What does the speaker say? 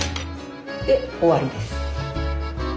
で終わりです。